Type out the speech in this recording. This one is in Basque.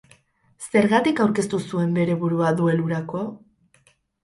Zergatik aurkeztu zuen bere burua duelurako?